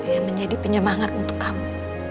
yang menjadi penyemangat untuk kamu